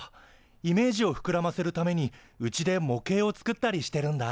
イメージをふくらませるためにうちで模型を作ったりしてるんだ。